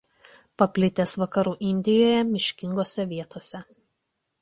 Paplitęs Vakarų Indijoje miškingose vietose.